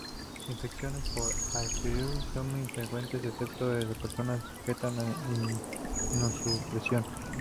Infecciones por "Aspergillus" son muy infrecuentes excepto en personas sujetas a inmunosupresión.